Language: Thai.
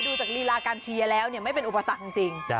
ดูจากรีลาการเชียร์แล้วไม่เป็นอุปสรรคจริง